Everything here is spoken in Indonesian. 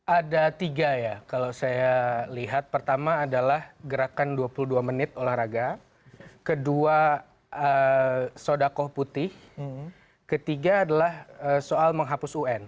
ada tiga ya kalau saya lihat pertama adalah gerakan dua puluh dua menit olahraga kedua sodakoh putih ketiga adalah soal menghapus un